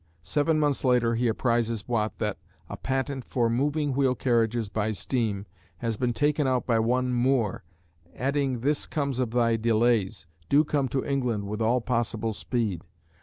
Seven months later he apprises Watt that "a patent for moving wheel carriages by steam has been taken out by one Moore," adding "this comes of thy delays; do come to England with all possible speed."